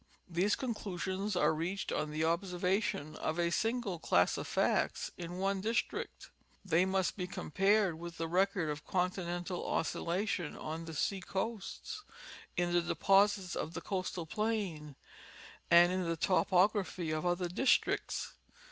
These conclusions are reached on the observation of a single class of facts in one district ; they must be compared with the record of continental oscillation on the sea coasts, in the deposits of the coastal plain, and in the topography of other districts.